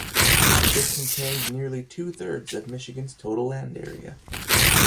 It contains nearly two-thirds of Michigan's total land area.